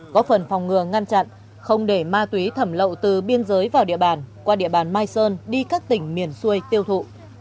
có phần phòng ngừa ngăn chặn không để ma túy thẩm lậu từ biên giới vào địa bàn qua địa bàn mai sơn đi các tỉnh miền xuôi tiêu thụ